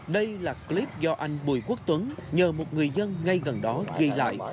đây là clip do anh bùi quốc tuấn nhờ một người dân ngay gần đó ghi lại